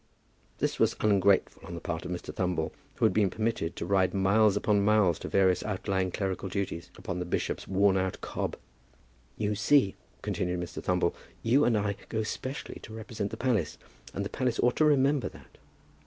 This was ungrateful on the part of Mr. Thumble, who had been permitted to ride miles upon miles to various outlying clerical duties upon the bishop's worn out cob. "You see," continued Mr. Thumble, "you and I go specially to represent the palace, and the palace ought to remember that.